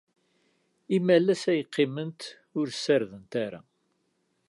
Imalas ay qqiment ur ssardent ara.